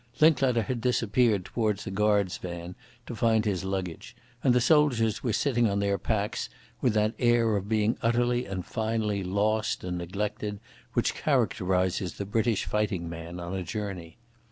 Linklater had disappeared towards the guard's van to find his luggage, and the soldiers were sitting on their packs with that air of being utterly and finally lost and neglected which characterises the British fighting man on a journey.